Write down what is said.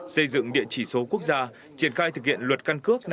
xây dựng địa chỉ số quốc gia triển khai thực hiện luật căn cước năm hai nghìn hai mươi